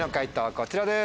こちらです。